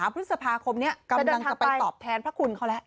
พฤษภาคมนี้กำลังจะไปตอบแทนพระคุณเขาแล้ว